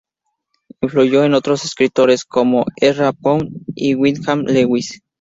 Influyó en otros escritores, como Ezra Pound y Wyndham Lewis.